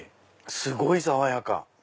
すごい爽やか。